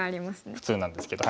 普通なんですけど。